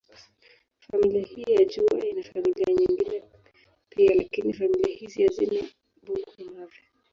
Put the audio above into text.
Familia hii ya juu ina familia nyingine pia, lakini familia hizi hazina bungo-mavi.